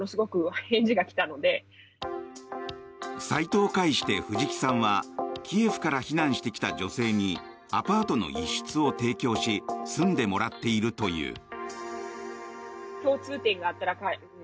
サイトを介して藤木さんはキエフから避難してきた女性にアパートの一室を提供し住んでもらっているという。